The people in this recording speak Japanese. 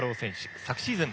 昨シーズン